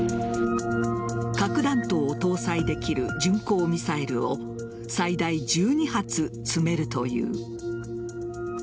核弾頭を搭載できる巡航ミサイルを最大１２発、積めるという。